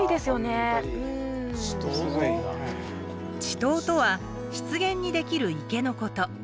池塘とは湿原にできる池のこと。